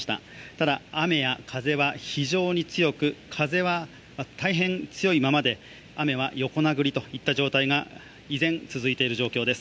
ただ、雨や風は非常に強く風は大変強いままで雨は横殴りといった状態が依然続いています。